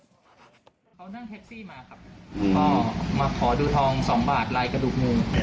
เขานั่งแท็กซี่มาครับก็มาขอดูทองสองบาทลายกระดูกหนึ่ง